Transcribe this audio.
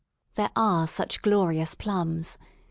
There are such glorious plums.